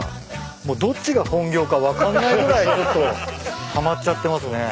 もうどっちが本業か分かんないぐらいちょっとはまっちゃってますね。